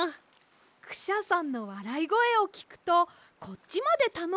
クシャさんのわらいごえをきくとこっちまでたのしくなります。